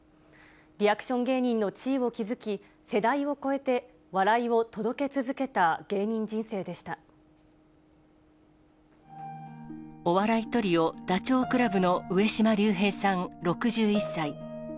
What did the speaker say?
リアクション芸人の地位を築き、世代を超えて、お笑いトリオ、ダチョウ倶楽部の上島竜兵さん６１歳。